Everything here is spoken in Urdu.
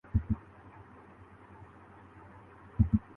سورۂ رعد میں اس سے بھی واضح الفاظ میں یہ بات بیان ہوئی ہے